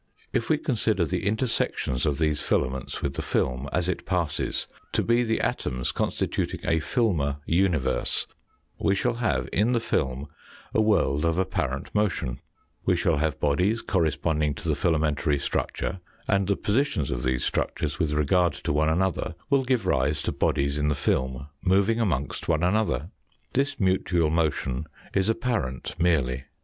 If we consider the intersections of these filaments with the film as it passes to be the atoms constituting a filmar universe, we shall have in the film a world of apparent motion; we shall have bodies corresponding to the filamentary structure, and the positions of these structures with regard to one another will give rise to bodies in the film moving amongst one another. This mutual motion is apparent merely.